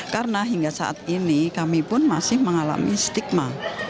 karena hingga saat ini kami pun masih mengalami stigma